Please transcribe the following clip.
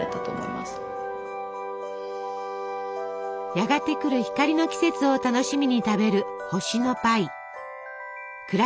やがて来る光の季節を楽しみに食べる星のパイ。